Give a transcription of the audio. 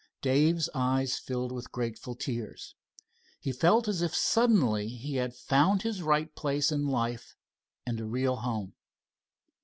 Dave's eyes filled with grateful tears. He felt as if suddenly he had found his right place in life and a real home.